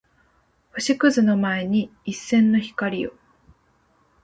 星屑の前に一閃の光を